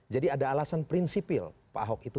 jadi ada alasan prinsipil pak ahok itu